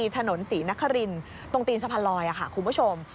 ถนนศรีนครินตรงตีนสะพานลอยค่ะคุณผู้ชม